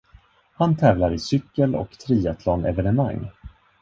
Han tävlar i cykel- och triathlonevenemang.